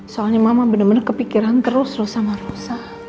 soalnya mama bener bener kepikiran terus rosa sama rosa